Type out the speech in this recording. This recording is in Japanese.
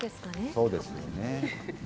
そうですよね。